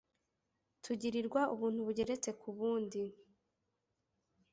tugirirwa ubuntu bugeretse ku bundi.